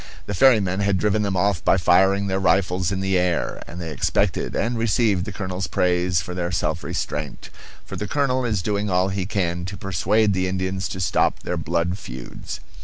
The ferrymen had driven them off by firing their rifles in the air; and they expected and received the colonel's praise for their self restraint; for the colonel is doing all he can to persuade the Indians to stop their blood feuds.